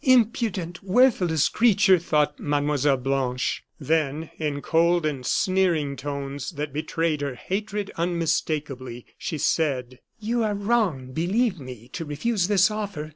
"Impudent, worthless creature!" thought Mlle. Blanche. Then, in cold and sneering tones, that betrayed her hatred unmistakably, she said: "You are wrong, believe me, to refuse this offer.